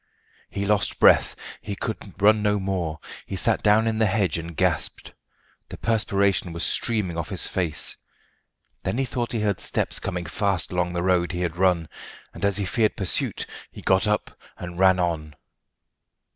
He lost breath. He could run no more. He sat down in the hedge and gasped. The perspiration was streaming off his face. Then he thought he heard steps coming fast along the road he had run, and as he feared pursuit, he got up and ran on.